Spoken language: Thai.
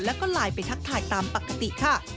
แล้วก็ไลน์ไปทักทายตามปกติค่ะ